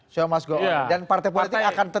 so must go on dan partai politik akan